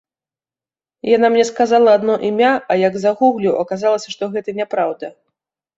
Яна мне сказала адно імя, а як загугліў, аказалася, што гэта няпраўда.